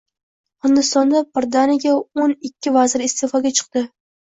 Hindistonda birdanigao'n ikkivazir iste'foga chiqdi